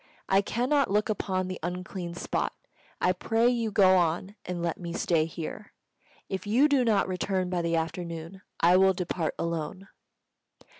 I cannot look upon the unclean spot. I pray you go on, and let me stay here. If you do not return by the afternoon, I will depart alone."